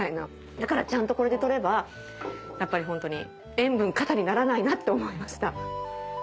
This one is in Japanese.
だからちゃんとこれで取ればやっぱりホントに塩分過多にならないなって思いました。